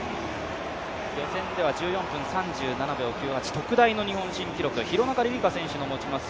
予選では１４分３７秒１８特大の日本人記録、廣中璃梨佳選手の持ちます